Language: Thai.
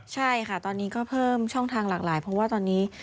ใช่ค่ะตอนนี้ก็เพิ่มช่องทางหลากหลายเพราะว่าตอนนี้